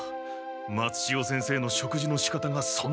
松千代先生の食事のしかたがそんなに上品だったとは。